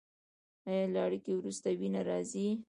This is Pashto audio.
ایا له اړیکې وروسته وینه راځي؟